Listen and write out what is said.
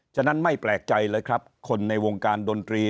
ฉะนั้นไม่แปลกใจเลยครับคนในวงการดนตรี